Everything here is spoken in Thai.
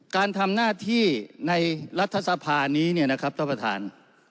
การทำหน้าที่ในรัฐสภานี้เนี่ยนะครับท่านประธาน